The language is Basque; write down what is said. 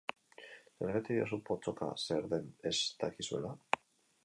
Zergatik diozu pottoka zer den ez dakizuela?